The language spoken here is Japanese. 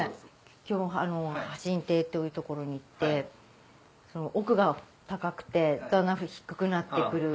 今日波心庭っていう所に行って奥が高くてだんだん低くなってくる。